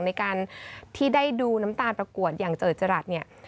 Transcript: ในการที่ได้ดูน้ำตาลประกวดอย่างเจิดจรัสเนี่ย